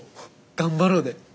頑張ろうで。